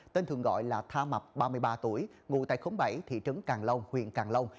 tên thường gọi là tha mặt ba mươi ba tuổi ngụ tại khóng bảy thị trấn càng long huyện càng long